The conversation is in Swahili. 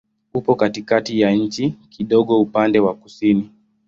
Upo katikati ya nchi, kidogo upande wa kusini.